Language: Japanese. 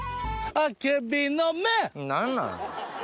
何なん？